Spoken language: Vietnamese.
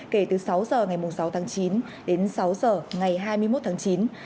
kể từ sáu giờ ngày sáu tháng chín đến sáu h ngày hai mươi một tháng chín